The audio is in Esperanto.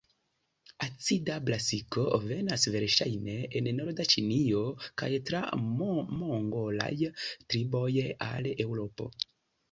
Acida brasiko venas verŝajne el norda Ĉinio kaj tra mongolaj triboj al Eŭropo.